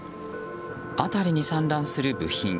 辺りに散乱する部品。